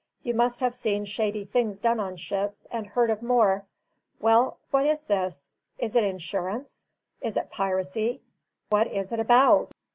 You must have seen shady things done on ships, and heard of more. Well, what is this? is it insurance? is it piracy? what is it ABOUT?